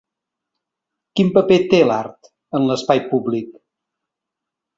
Quin paper té l’art en l’espai públic?